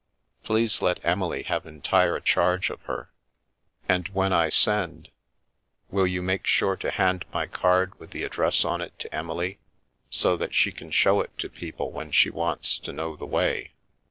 Please let Emily have entire charge of her, The Milky Way and when I send, will you make sure to hand my card with the address on it to Emily, so that she can show it to people when she wants to know the way.